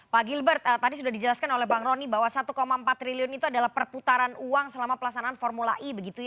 pak gilbert tadi sudah dijelaskan oleh bang rony bahwa satu empat triliun itu adalah perputaran uang selama pelaksanaan formula e